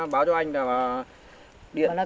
báo cho anh là